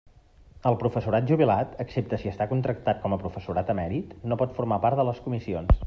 El professorat jubilat, excepte si està contractat com a professorat emèrit, no pot formar part de les comissions.